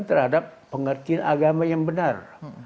terhadap pengertian agama yang benar